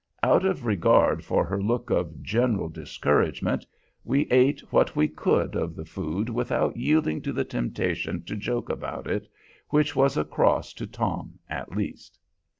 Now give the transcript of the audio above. Out of regard for her look of general discouragement we ate what we could of the food without yielding to the temptation to joke about it, which was a cross to Tom at least.